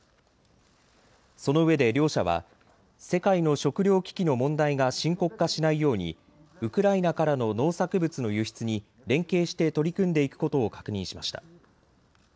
そのうえで両者は世界の食料危機の問題が深刻化しないようにウクライナからの農作物の輸出に連携して取り組んでいくことを確認しました。